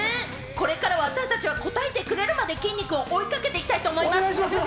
これからも私たちは答えてくれるまで、きんに君を追いかけていきたいと思います。